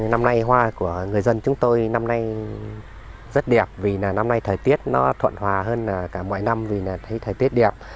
năm nay hoa của người dân chúng tôi rất đẹp vì năm nay thời tiết thuận hòa hơn cả mọi năm vì thấy thời tiết đẹp